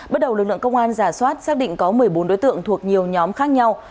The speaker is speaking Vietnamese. bước đầu lực lượng công an giả soát xác định có một mươi bốn đối tượng thuộc nhiều nhóm khác nhau